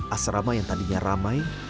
asrama yang tadinya ramai